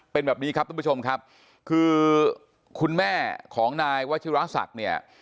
เป็นแบบนี้ครับทุกผู้ชมครับคือคุณแม่ของนายวัชิราศักดิ์เนี่ย